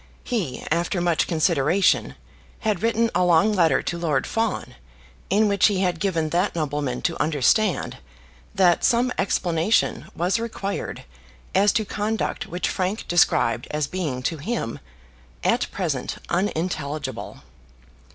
He, after much consideration, had written a long letter to Lord Fawn, in which he had given that nobleman to understand that some explanation was required as to conduct which Frank described as being to him "at present unintelligible."